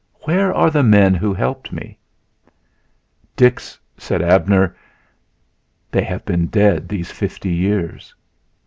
Where are the men who helped me?" "Dix," said Abner, "they have been dead these fifty years."